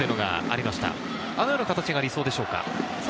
あのような形が理想でしょうか？